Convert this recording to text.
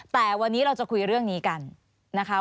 แต่วันนี้เราจะคุยเรื่องนี้กันนะคะ